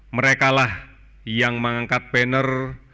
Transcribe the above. mereka lah yang mengangkat banner